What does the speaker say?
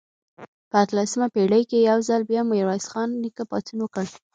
خو په اتلسمه پېړۍ کې یو ځل بیا میرویس خان نیکه پاڅون وکړ.